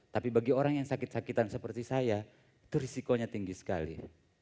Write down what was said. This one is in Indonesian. tapi bagi orang yang sakit sakitan seperti saya itu risikonya tinggi sekali